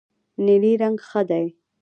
نیلی رنګ ښه دی.